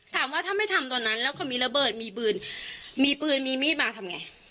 ถามว่าถ้าไม่ทำตอนนั้นแล้วเขามีระเบิดมีปืนมีปืนมีมีดมาทำไง